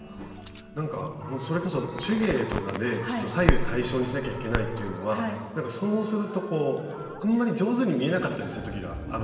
なんかそれこそ手芸とかで左右対称にしなきゃいけないというのはなんかそうするとあんまり上手に見えなかったりする時があるんですよね